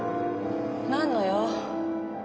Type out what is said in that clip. なんの用？